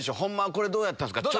これどうやったんすか？